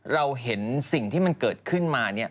เราเห็นสิ่งที่มันเกิดขึ้นมา